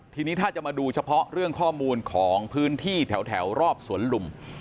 ทีนี้ถ้าจะมาดูเฉพาะเรื่องข้อมูลของพื้นที่แถวรอบสวนลุม